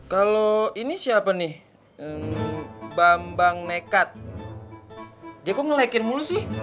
kalau ini siapa nih bambang nekat dia kok nge lakin mulu sih